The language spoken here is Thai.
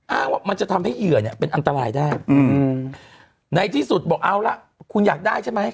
ว่ามันจะทำให้เหยื่อเนี่ยเป็นอันตรายได้อืมในที่สุดบอกเอาละคุณอยากได้ใช่ไหม